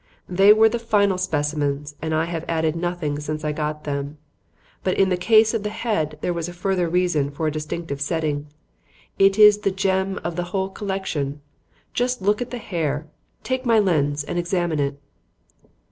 They were the final specimens and I have added nothing since I got them. But in the case of the head there was a further reason for a distinctive setting: it is the gem of the whole collection. Just look at the hair. Take my lens and examine it."